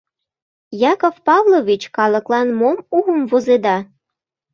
— Яков Павлович, калыклан мом уым возеда?